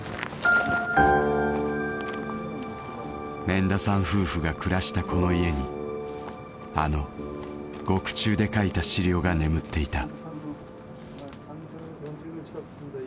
免田さん夫婦が暮らしたこの家にあの獄中で書いた資料が眠っていた。